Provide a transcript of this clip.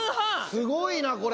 すごいなこれ。